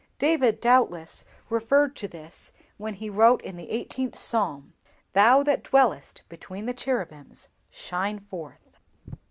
David, doubtless, referred to this when he wrote in the eighteenth Psalm, '_Thou that dwellest between the cherubims, shine forth!